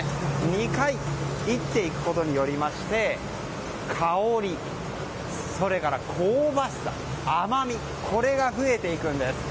２回煎っていくことで香り、それから香ばしさ、甘みこれが増えていくんです。